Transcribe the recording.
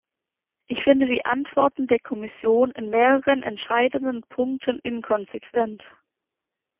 Ich finde die Antworten der Kommission in mehreren entscheidenden Punkten inkonsequent.